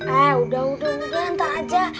eh udah udah ntar aja